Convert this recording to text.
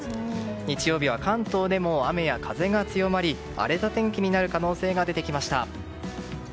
日曜日は関東でも雨や風が強まり荒れた天気になる可能性が出てきました。